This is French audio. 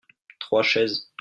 Trois chaises.